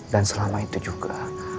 dan selama itu juga